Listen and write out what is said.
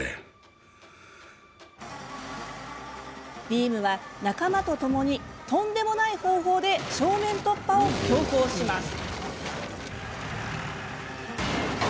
ビームは仲間とともにとんでもない方法で正面突破を強行します。